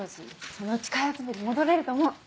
そのうち開発部に戻れると思う。